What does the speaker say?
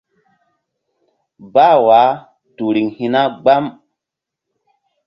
Bah wah tu riŋ hi̧na gbam.